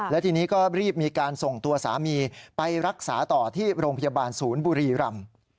และทีนี้ก็รีบมีการส่งตัวสามีไปรักษาต่อที่โรงพยาบาลศูนย์บุรีรำ